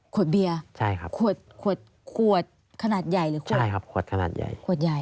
ขวดเบียร์โอเคครับขวดขนาดใหญ่หรือครับใช่ครับขวดกระถาดใหญ่